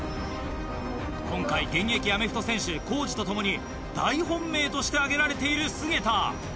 今回現役アメフト選手コージとともに大本命として挙げられている菅田。